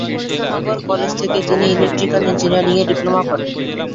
Krishnanagar college থেকে তিনি electrical ইঞ্জিনিয়ারিংয়ে ডিপ্লোমা করেন।